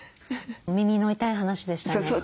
耳の痛い話でしたね。